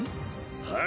はい。